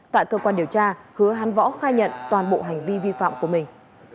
tại cơ quan điều tra hứa hắn võ khai nhận toàn bộ hành vi vi phạm của mình